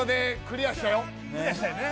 クリアしたよね